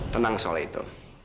tenang soal itu